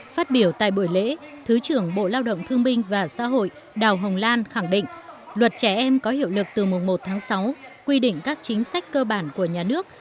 phát biểu tại buổi lễ thứ trưởng bộ lao động thương binh và xã hội đào hồng lan khẳng định luật trẻ em có hiệu lực từ mùng một tháng sáu quy định các chính sách cơ bản của nhà nước